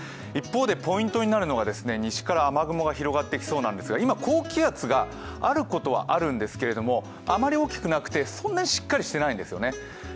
一方で、ポイントになるのが西から雨雲が広がってきそうなんですが、今、高気圧があることはあるんですけれども、あまり大きくなくて、そんなにしっかりしていないんですよね。